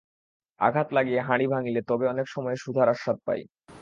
আঘাত লাগিয়া হাঁড়ি ভাঙিলে তবে অনেক সময়ে সুধার আস্বাদ পাই।